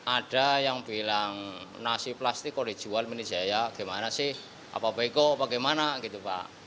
ada yang bilang nasi plastik kok dijual di indonesia ya gimana sih apa bego apa gimana gitu pak